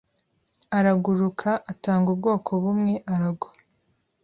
araguruka, atanga ubwoko bumwe, aragwa.